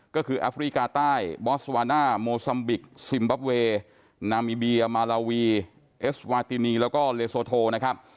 ก็คือแอฟริกาใต้บอสวาน่าโมซัมบิกซิมบับเวย์นามิเบียมาลาวีเอสวาตินีแล้วก็เลโซโทนะครับ